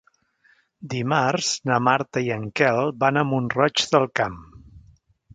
Dimarts na Marta i en Quel van a Mont-roig del Camp.